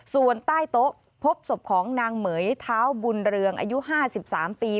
ส่วนใต้โต๊ะพบศพของนางเหม๋ยเท้าบุญเรืองอายุ๕๓ปี